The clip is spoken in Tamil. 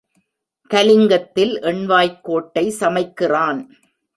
கலிங்கத்தில் எண்வாய்க் கோட்டை சமைக்கிறான்